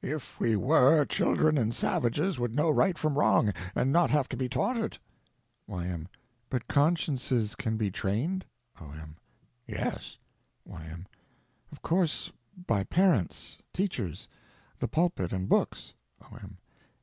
If we were, children and savages would know right from wrong, and not have to be taught it. Y.M. But consciences can be trained? O.M. Yes. Y.M. Of course by parents, teachers, the pulpit, and books. O.M.